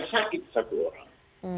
sakit satu orang